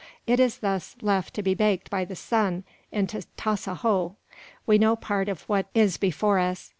It is thus left to be baked by the sun into "tasajo." We know part of what is before us.